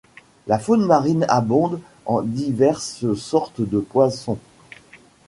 La faune marine abonde en diverses sortes de poissons.